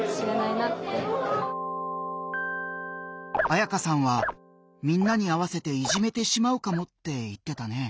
あやかさんはみんなに合わせていじめてしまうかもって言ってたね。